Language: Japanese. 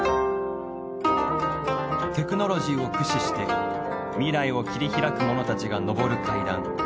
テクノロジーを駆使して未来を切り拓く者たちが昇る階段。